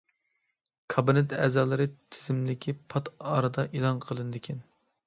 كابىنېت ئەزالىرى تىزىملىكى پات ئارىدا ئېلان قىلىنىدىكەن.